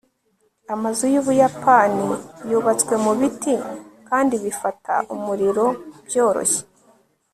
amazu yubuyapani yubatswe mubiti kandi bifata umuriro byoroshye